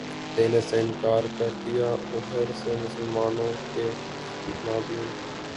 دینے سے انکار کر دیا ادھر سے مسلمانوں کے مابین